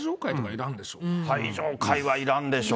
最上階はいらんでしょう。